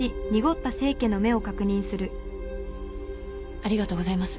ありがとうございます。